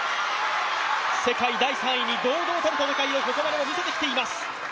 世界第３位に堂々たる戦いをここまで見せてきています。